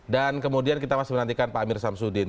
dan kemudian kita masih menantikan pak amir samsudin